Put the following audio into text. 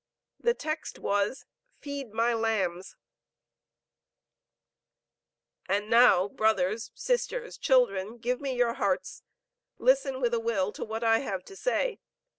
The text was, "Feed my Lambs:" "And now brothers, sisters, children, give me your hearts, listen with a will to what I have to say.